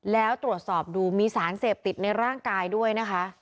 แล้วตรวจสอบดูมีสารเสพติดในร่างกายด้วยนะคะ